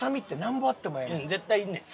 絶対いんねん。